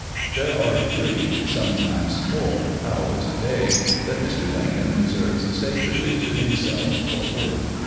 There are three — sometimes four — hours a day that Mr. I>incoln reserves sacredly to himself for work.